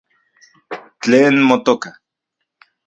¿Tlen motoka?